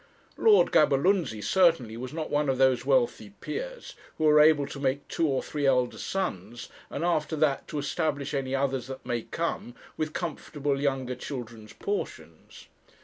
Lord Gaberlunzie certainly was not one of those wealthy peers who are able to make two or three elder sons, and after that to establish any others that may come with comfortable younger children's portions.